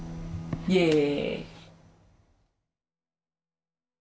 イエーイ！